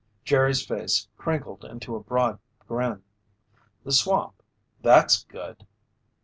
Jerry's face crinkled into a broad grin. "The swamp! That's good!"